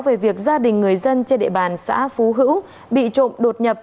về việc gia đình người dân trên địa bàn xã phú hữu bị trộm đột nhập